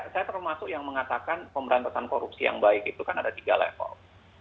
saya termasuk yang mengatakan pemberantasan korupsi yang baik itu kan ada tiga level